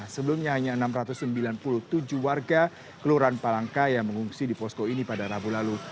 sebelumnya hanya enam ratus sembilan puluh tujuh warga kelurahan palangka yang mengungsi di posko ini pada rabu lalu